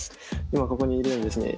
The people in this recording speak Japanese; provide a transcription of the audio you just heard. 今ここにいるんですね。